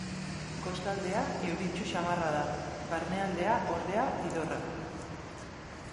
Kostaldea euritsu xamarra da; barnealdea, ordea, idorra.